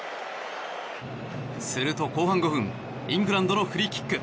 すると後半５分イングランドのフリーキック。